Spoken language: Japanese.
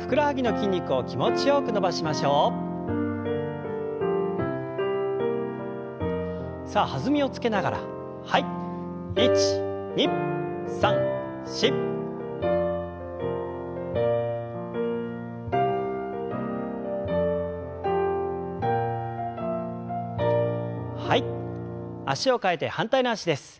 脚を替えて反対の脚です。